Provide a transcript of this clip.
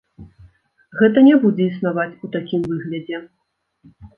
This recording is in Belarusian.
Гэта не будзе існаваць у такім выглядзе.